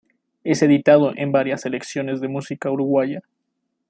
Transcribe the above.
Es editado en varias selecciones de música uruguaya.